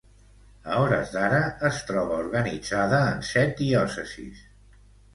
A hores d'ara es troba organitzada en set diòcesis.